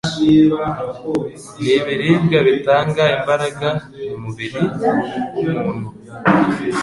Ni ibiribwa bitanga imbaraga mu mubiri w'umuntu